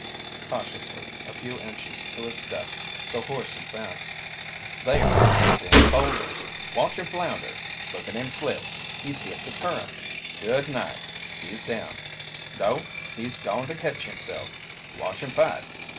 Cautiously, a few inches to a step, the horse advanced. "There! He's in the boulders! Watch him flounder! Look at him slip he's hit the current! Good night he's down no, he's goin' to ketch himself! Watch him fight!